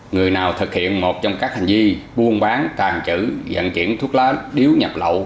người nào thực hiện một trong các hành vi buôn bán tàn trữ dẫn chuyển thuốc lá điếu nhập lậu